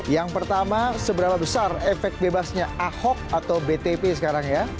yang pertama seberapa besar efek bebasnya ahok atau btp sekarang ya